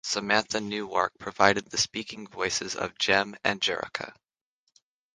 Samantha Newark provided the speaking voices of Jem and Jerrica.